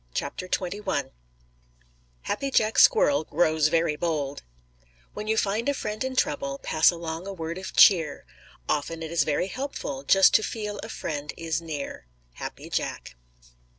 CHAPTER XXI HAPPY JACK SQUIRREL GROWS VERY BOLD When you find a friend in trouble Pass along a word of cheer. Often it is very helpful Just to feel a friend is near. _Happy Jack.